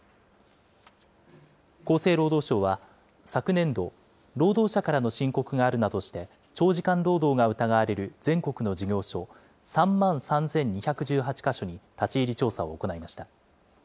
厚生労働省は昨年度、労働者からの申告があるなどして、長時間労働が疑われる全国の事業所３万３２１８か所に立ち入り調査を行いました。